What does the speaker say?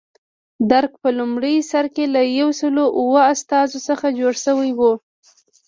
درګ په لومړي سر کې له یو سل اوه استازو څخه جوړ شوی و.